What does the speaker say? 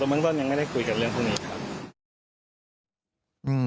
ส่วนเบื้องต้นยังไม่ได้คุยกับเรื่องพวกนี้ครับ